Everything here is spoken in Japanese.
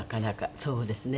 そうですね。